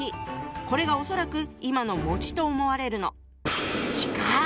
これが恐らく今の「」と思われるの。